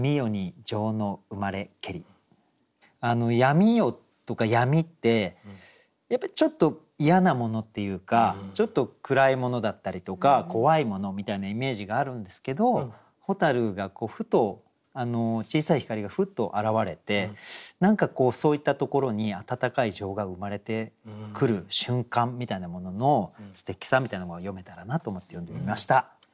闇夜とか闇ってやっぱりちょっと嫌なものっていうかちょっと暗いものだったりとか怖いものみたいなイメージがあるんですけど蛍がこうふと小さい光がふっと現れて何かこうそういったところに温かい情が生まれてくる瞬間みたいなもののすてきさみたいものを詠めたらなと思って詠んでみました。